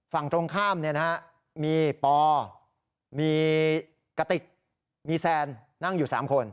ฝั่งตรงข้ามมีปอมีกติกมีแซนนั่งอยู่๓คน